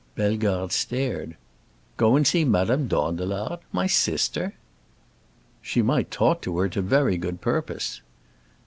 Bellegarde stared. "Go and see Madame Dandelard—my sister?" "She might talk to her to very good purpose."